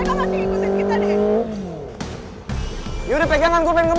sampai jumpa di video selanjutnya